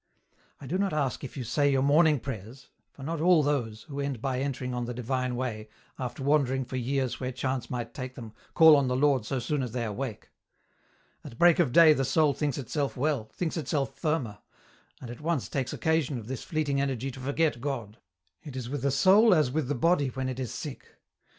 I do not ask if you say your morning prayers, for not all those, who end by entering on the divme way, after wandering for years where chance might take them, call on the Lord so soon as they awake. At EN ROUTE. 59 break of day the soul thinks itself well, thinks itself firmer, and at once takes occasion of this fleeting energy to forget God. It is with the soul as with the body when it is sick.